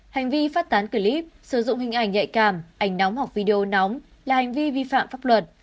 hành vi phát tán clip sử dụng hình ảnh nhạy cảm ảnh nóng hoặc video nóng là hành vi vi phạm pháp luật